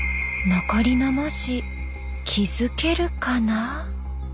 残りの文字気付けるかな。